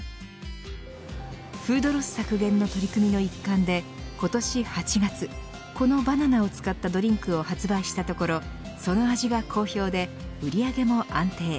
フードロス削減の取り組みの一環で今年８月、このバナナを使ったドリンクを発売したところその味が好評で売り上げも安定。